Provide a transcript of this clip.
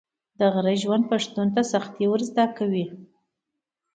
د غره ژوند پښتون ته سختي ور زده کوي.